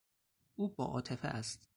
او با عاطفه است.